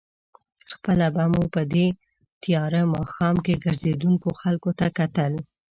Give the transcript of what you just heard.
خپله به مو په دې تېاره ماښام کې ګرځېدونکو خلکو ته کتل.